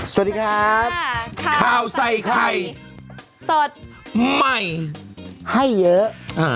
สวัสดีครับข้าวใส่ไข่สดใหม่ให้เยอะ